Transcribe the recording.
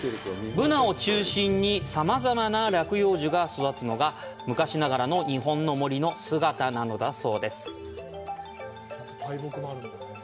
ブナを中心にさまざまな落葉樹が育つのが昔ながらの日本の森の姿なのだそうです。